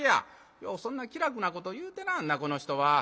「ようそんな気楽なこと言うてなはんなこの人は。